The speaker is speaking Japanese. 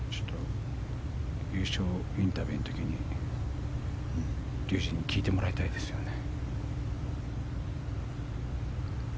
優勝インタビューの時に竜二に聞いてもらいたいですね。